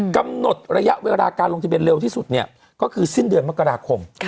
กำหนดระยะเวลาการลงทะเบียนเร็วที่สุดเนี่ยก็คือสิ้นเดือนมกราคม